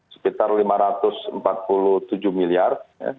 sekitar lima ratus empat puluh tujuh miliar